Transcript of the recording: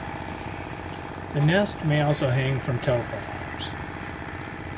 The nest may also hang from telephone wires.